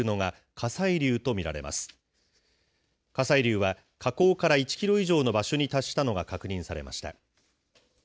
火砕流は火口から１キロ以上の場所に達したのが確認されました。